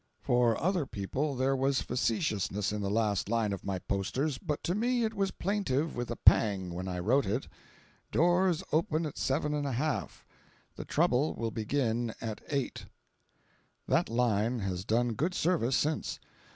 For other people there was facetiousness in the last line of my posters, but to me it was plaintive with a pang when I wrote it: "Doors open at 7 1/2. The trouble will begin at 8." That line has done good service since.